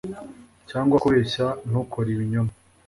Cyangwa kubeshya ntukore ibinyoma